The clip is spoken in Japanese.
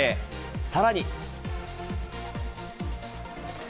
さらに。